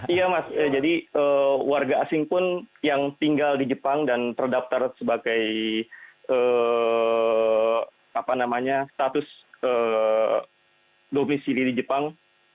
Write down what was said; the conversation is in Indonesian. iya mas jadi warga asing pun yang tinggal di jepang dan terdaftar sebagai status domisili di jepang